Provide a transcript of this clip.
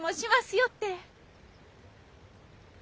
よって。